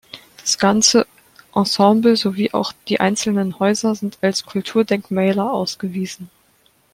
Das ganze Ensemble, sowie auch die einzelnen Häuser sind als Kulturdenkmäler ausgewiesen.